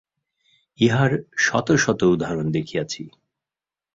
ইহার শত শত উদাহরণ দেখিয়াছি।